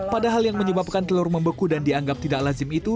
padahal yang menyebabkan telur membeku dan dianggap tidak lazim itu